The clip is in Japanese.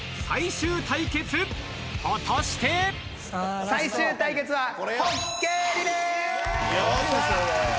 最終対決は。